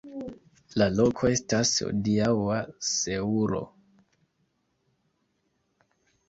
La loko estas hodiaŭa Seulo.